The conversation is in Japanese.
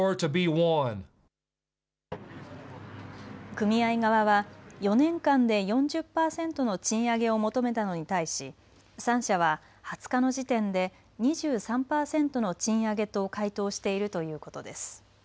組合側は４年間で４０％の賃上げを求めたのに対し３社は２０日の時点で２３％の賃上げと回答しているということです。